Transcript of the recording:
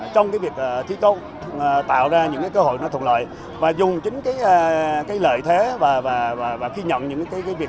trong đây hãy tôi sẽ anh em nhớ cơ hội thuận lợi và dùng chính cái lời thế